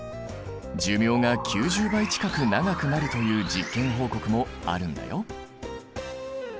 寿命が９０倍近く長くなるという実験報告もあるんだよ。